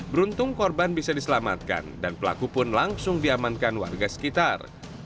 beruntung korban bisa diselamatkan dan pelaku pun langsung diamankan warga sekitar